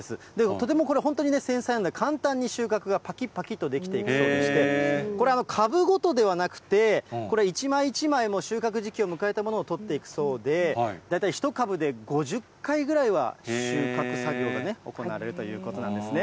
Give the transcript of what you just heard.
とてもこれ、本当に繊細なので、簡単に収穫がぱきっぱきっとできているそうでして、これ、株ごとではなくて、これ一枚一枚、収穫時期を迎えたものを取っていくそうで、大体１株で５０回ぐらいは収穫作業が行われるということなんですね。